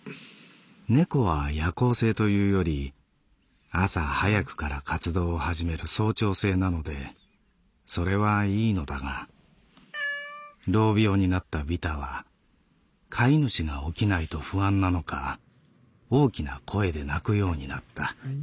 「猫は夜行性というより朝早くから活動を始める早朝性なのでそれはいいのだが老猫になったビタは飼い主が起きないと不安なのか大きな声で鳴くようになった」。